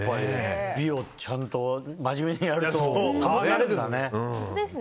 美をちゃんと真面目にやると変わるんだね。